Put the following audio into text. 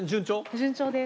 順調です。